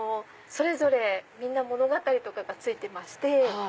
それぞれみんな物語とかがついてまして。